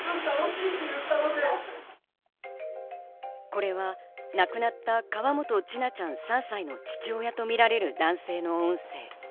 これは亡くなった河本千奈ちゃん、３歳の父親とみられる男性の音声。